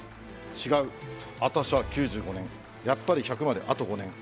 「ちがうあたしゃ９５年」「やっぱり１００まであと５年」